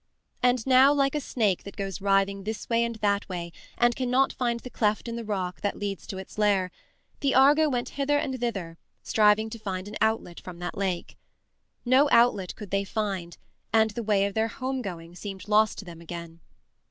And now like a snake that goes writhing this way and that way and that cannot find the cleft in the rock that leads to its lair, the Argo went hither and thither striving to find an outlet from that lake. No outlet could they find and the way of their home going seemed lost to them again.